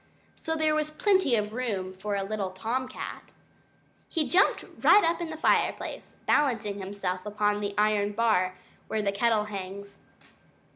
So there was plenty of room for a little Tom Cat. He jumped right up into the fireplace, balancing himself upon the iron bar where the kettle hangs.